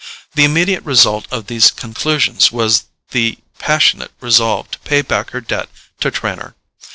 The immediate result of these conclusions was the passionate resolve to pay back her debt to Trenor.